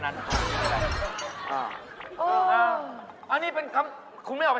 มีคาถาเงินล้านให้เฮ่ยนี่